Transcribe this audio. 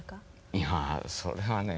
いやぁそれはね